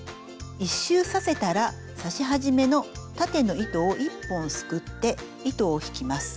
１周させたら刺し始めの縦の糸を１本すくって糸を引きます。